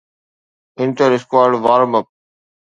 inter squad warm up